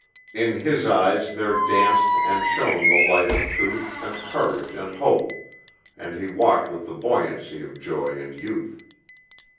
In his eyes there danced and shone the light of truth and courage and hope, and he walked with the buoyancy of joy and youth.